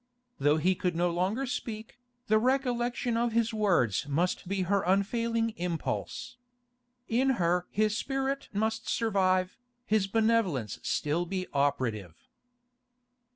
Though he could no longer speak, the recollection of his words must be her unfailing impulse. In her his spirit must survive, his benevolence still be operative.